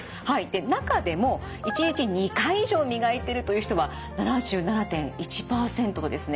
中でも１日２回以上磨いてるという人は７７．１％ですね。